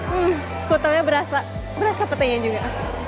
hmm skutelnya berasa berasa petenya juga